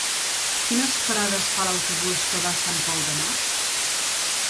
Quines parades fa l'autobús que va a Sant Pol de Mar?